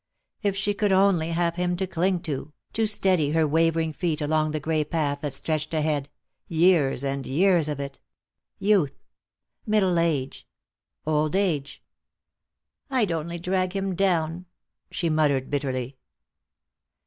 If she could only have him to cling to, to steady her wavering feet along the gray path that stretched ahead, years and years of it. Youth. Middle age. Old age. "I'd only drag him down," she muttered bitterly.